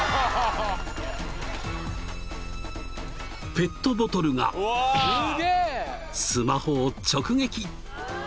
［ペットボトルがスマホを直撃］